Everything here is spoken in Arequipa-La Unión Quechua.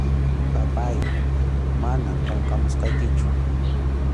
Papáy, manam qunqamusaykichu.